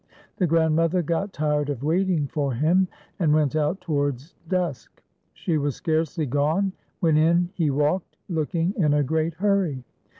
The grandmother got tired of waiting for him, and went out towards dusk. She was scarcely gone when in he walked, looking in a great hurry.